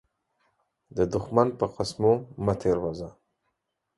د دښمن په قسمو مه تير وزه.